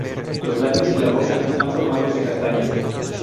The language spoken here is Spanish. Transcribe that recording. Los labios y la boca están formados de castañas.